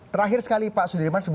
terakhir sekali pak sudirman